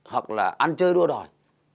hoặc là ăn chơi đua đòi